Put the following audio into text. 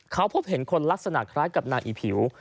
เขาพบเห็นคนลักษณะคล้ายกับนางอีผิว